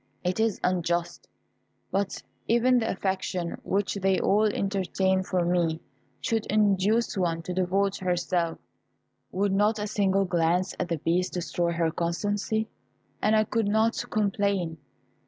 It is unjust. But even if the affection which they all entertain for me should induce one to devote herself, would not a single glance at the Beast destroy her constancy, and I could not complain.